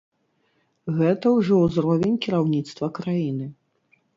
Гэта ўжо ўзровень кіраўніцтва краіны.